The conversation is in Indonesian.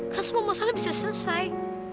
kan semua masalah bisa selesai